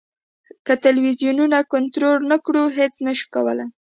که ټلویزیونونه کنټرول نه کړو هېڅ نه شو کولای.